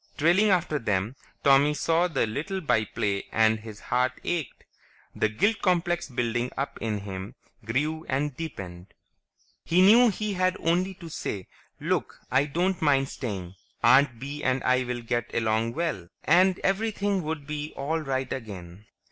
Trailing after them, Tommy saw the little by play and his heart ached. The guilt complex building up in him grew and deepened. He knew he had only to say, "Look, I don't mind staying. Aunt Bee and I will get along swell," and everything would be all right again.